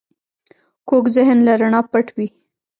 کوږ ذهن له رڼا پټ وي